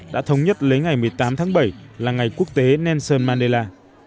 đã thống nhất lấy ngày một mươi tám tháng bảy là ngày quốc tế nelson mandela